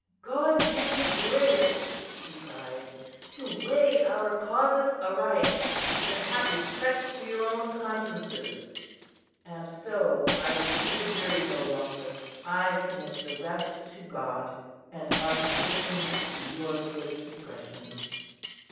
"God give you grace," he cried, "to weigh our causes aright, and have respect to your own consciences; and so I will keep the jury no longer. I commit the rest to God, and our convictions to your good discretions."